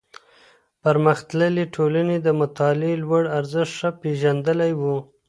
پرمختللې ټولني د مطالعې لوړ ارزښت ښه پېژندلی و.